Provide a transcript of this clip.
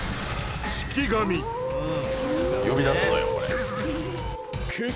呼び出すのよこれ。